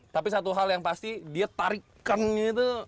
tapi satu hal yang pasti dia tarikannya tuh